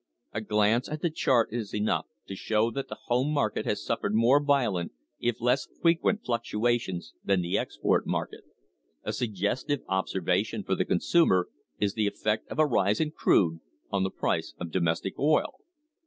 A glance at the chart is enough to show that the home market has suffered more violent, if less frequent, fluctuations than the export market. A suggestive observation for the consumer is the effect of a rise in crude on the price of domestic oil.